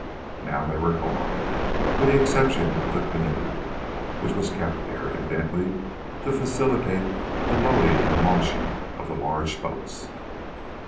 Now they were gone with the exception of the canoe, which was kept there, evidently to facilitate the loading and launching of the large boats.